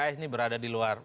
pks ini berada di luar